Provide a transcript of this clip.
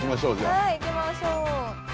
はい行きましょう。